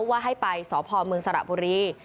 ว่าให้ไปษ่อพอร์เมืองสระบุรี